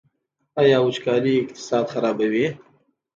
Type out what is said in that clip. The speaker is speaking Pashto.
آیا وچکالي اقتصاد خرابوي؟